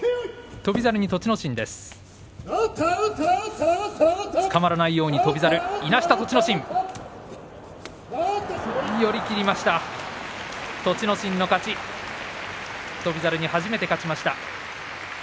翔猿が初めて勝ちました。